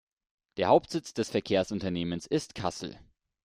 Der Hauptsitz des Verkehrsunternehmens ist Kassel.